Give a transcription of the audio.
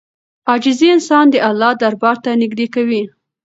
عاجزي انسان د الله دربار ته نږدې کوي.